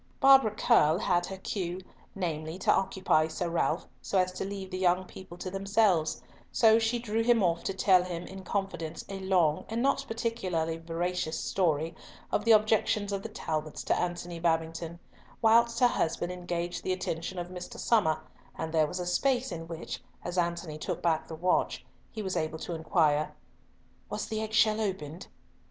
Barbara Curll had her cue, namely, to occupy Sir Ralf so as to leave the young people to themselves, so she drew him off to tell him in confidence a long and not particularly veracious story of the objections of the Talbots to Antony Babington; whilst her husband engaged the attention of Mr. Somer, and there was a space in which, as Antony took back the watch, he was able to inquire "Was the egg shell opened?"